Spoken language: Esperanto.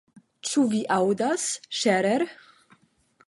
Ĉu vi aŭdas, Scherer?